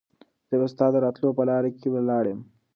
زه به ستا د راتلو په لاره کې ولاړ یم.